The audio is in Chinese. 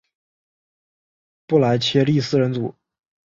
布莱切利四人组是一部电视英国推理迷你电视剧。